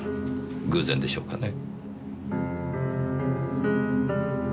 偶然でしょうかね？